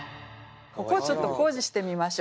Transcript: ここをちょっと工事してみましょう。